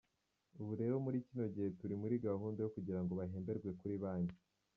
Ubu rero muri kino gihe turi muri gahunda yo kugira ngo bahemberwe kuri banki.